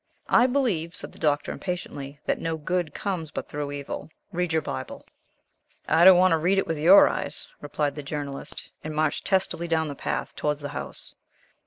"I believe," said the Doctor, impatiently, "that no good comes but through evil. Read your Bible." "I don't want to read it with your eyes," replied the Journalist, and marched testily down the path toward the house.